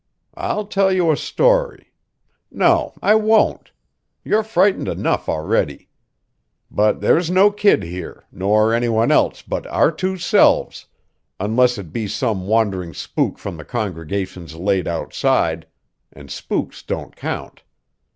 I'll tell you a story no, I won't; you're frightened enough already. But there's no kid here, nor any one else but our two selves, unless it be some wandering spook from the congregations laid outside; and spooks don't count.